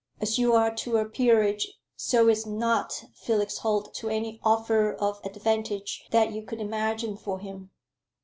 "As you are to a peerage so is not Felix Holt to any offer of advantage that you could imagine for him."